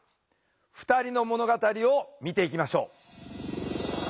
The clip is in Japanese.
２人の物語を見ていきましょう。